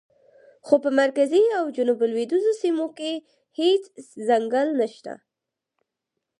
خو په مرکزي او جنوب لویدیځو سیمو کې هېڅ ځنګل نشته.